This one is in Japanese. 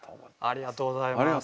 ありがとうございます。